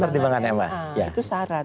pertimbangan ma itu syarat